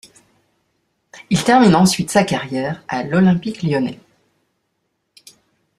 Il termine ensuite sa carrière à l'Olympique lyonnais.